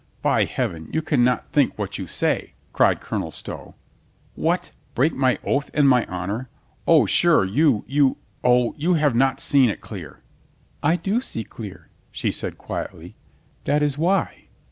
"By Heaven, you can not think what you say!" cried Colonel Stow. "What! Break my oath and my honor — O, sure, you — you — O, you have not seen it clear." "I do see clear," she said quietly, "that is why.